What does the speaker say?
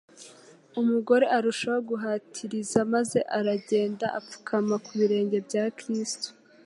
Umugore arushaho guhatiriza maze aragenda apfukama ku birenge bya Kristo,